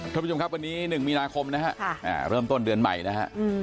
ท่านผู้ชมครับวันนี้๑มีนาคมนะฮะเริ่มต้นเดือนใหม่นะฮะ